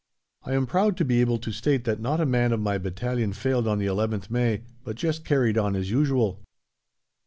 I am proud to be able to state that not a man of my battalion failed on the 11th May, but just "carried on" as usual.